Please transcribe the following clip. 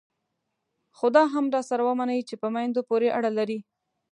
خو دا هم راسره ومنئ چې په میندو پورې اړه لري.